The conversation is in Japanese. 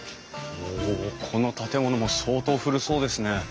おこの建物も相当古そうですね。